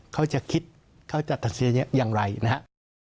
เขาจะคิดเขาจะตัดสินใจอย่างไรนะครับ